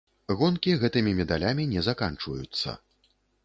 Гонкі гэтымі медалямі не заканчваюцца.